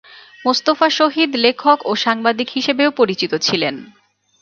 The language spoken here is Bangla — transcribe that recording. মোস্তফা শহীদ লেখক ও সাংবাদিক হিসেবেও পরিচিত ছিলেন।